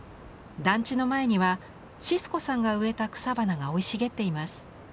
団地の前にはシスコさんが植えた草花が生い茂っています。